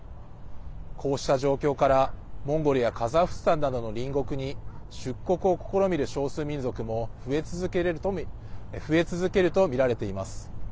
こうした状況からモンゴルやカザフスタンなどの隣国に出国を試みる少数民族も増え続けるとみられています。